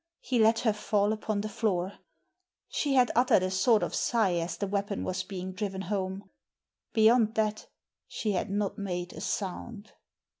He let her fall upon the floor. She had uttered a sort of sigh as the weapon was being driven home. Beyond that she had not made a sound.